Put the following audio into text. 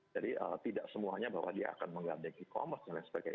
jadi tidak semuanya bahwa dia akan menggandeng e commerce dan lain sebagainya